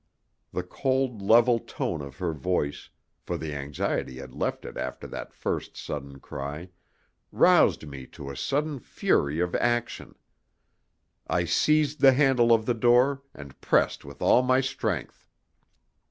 The cold, level tone of her voice for the anxiety had left it after that first sudden cry roused me to a sudden fury of action. I seized the handle of the door and pressed with all my strength.